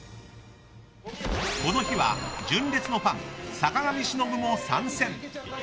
この日は、純烈のファン坂上忍も参戦。